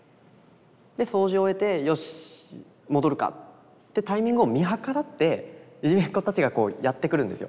で掃除を終えてよし戻るかってタイミングを見計らっていじめっ子たちがやって来るんですよ。